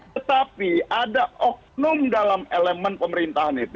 tetapi ada oknum dalam elemen pemerintahan itu